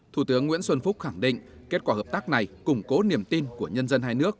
thủ tướng nguyễn xuân phúc khẳng định kết quả hợp tác này củng cố niềm tin của nhân dân hai nước